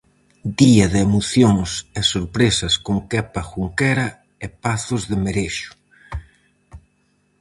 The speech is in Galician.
Día de emocións e sorpresas con Kepa Junkera e Pazos de Merexo.